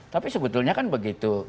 tapi sebetulnya kan begitu